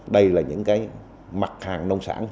đây là những cái mặt hàng nông sản